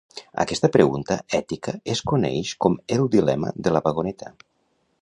Aquesta pregunta ètica es coneix com el dilema de la vagoneta.